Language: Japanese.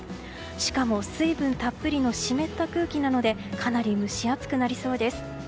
しかも、水分たっぷりの湿った空気なのでかなり蒸し暑くなりそうです。